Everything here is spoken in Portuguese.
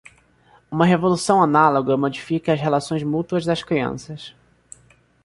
Uma revolução análoga modifica as relações mútuas das crianças.